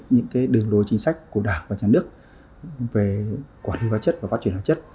những đường lối chính sách của đảng và nhà nước về quản lý hóa chất và phát triển hóa chất